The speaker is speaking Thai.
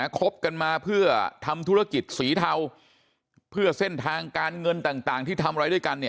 คบกันมาเพื่อทำธุรกิจสีเทาเพื่อเส้นทางการเงินต่างที่ทำอะไรด้วยกันเนี่ย